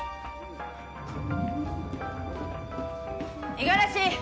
五十嵐！